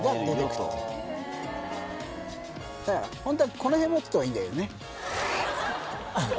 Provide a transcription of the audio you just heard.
だからホントはこの辺持つといいんだけどね。